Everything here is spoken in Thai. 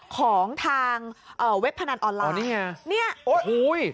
ของทางเว็บพนันออนไลน์นี่ไงโอ้ย